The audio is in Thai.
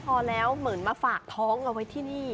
พอแล้วเหมือนมาฝากท้องเอาไว้ที่นี่